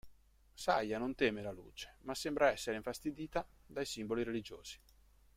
Saya non teme la luce, ma sembra essere infastidita dai simboli religiosi.